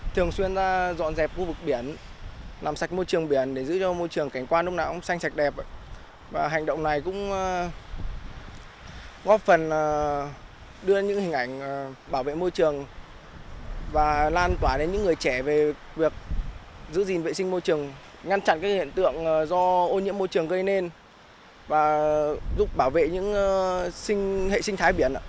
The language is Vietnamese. thông qua những hoạt động này không chỉ góp phần làm sạch môi trường biển mà còn tạo cảnh quan xanh sạch đẹp hạn chế các loại dịch bệnh phát sinh